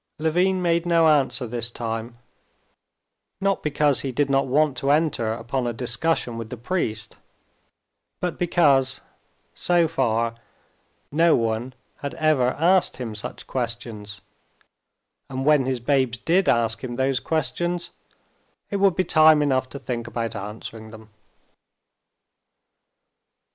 Levin made no answer this time, not because he did not want to enter upon a discussion with the priest, but because, so far, no one had ever asked him such questions, and when his babes did ask him those questions, it would be time enough to think about answering them.